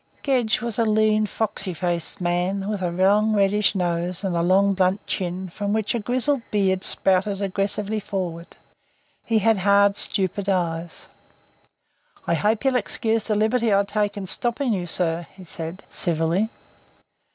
Gedge was a lean foxy faced man with a long, reddish nose and a long blunt chin from which a grizzled beard sprouted aggressively forwards. He had hard, stupid grey eyes. "I hope you 'll excuse the liberty I take in stopping you, sir," he said, civilly.